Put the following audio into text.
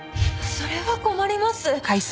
それは困ります。